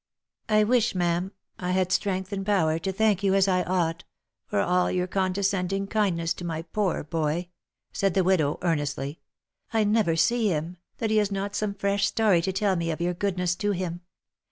" I wish, ma'am, I had strength and power to thank you as I ought, for all your condescending kindness to my poor boy !" said the widow, earnestly. " I never see him, that he has not some fresh story to tell me of your goodness to him.